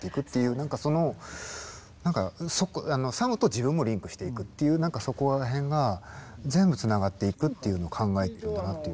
何かそのサムと自分もリンクしていくっていう何かそこらへんが全部繋がっていくっていうのを考えてるんだなっていう。